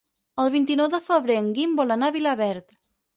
El vint-i-nou de febrer en Guim vol anar a Vilaverd.